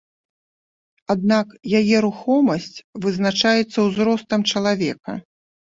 Аднак, яе рухомасць вызначаецца ўзростам чалавека.